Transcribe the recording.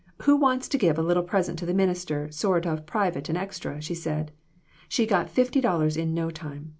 ' Who wants to give a little present to the min ister, sort o' private and extra ?' she said. She got fifty dollars in no time.